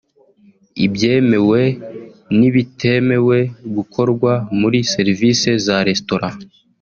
ibyemewe n’ibitemewe gukorwa muri serivisi za restaurant